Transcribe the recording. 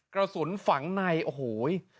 กระสุนฝังในโอ้โห